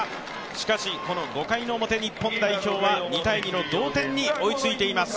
しかしこの５回の表、日本代表は２−２の同点に追いついています。